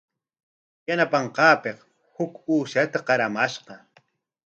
Yanapanqaapik huk uushata qaramashqa.